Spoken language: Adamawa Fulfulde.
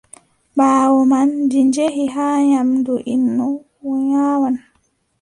Ɓaawo man, ɗi njehi haa nyaamdu innu, o nyawan.